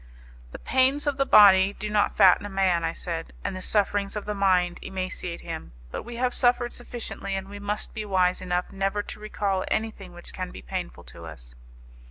"The pains of the body do not fatten a man," I said, "and the sufferings of the mind emaciate him. But we have suffered sufficiently, and we must be wise enough never to recall anything which can be painful to us."